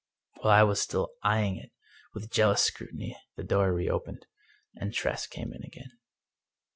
While I was still eying it with jealous scrutiny the door reopened, and Tress came in again.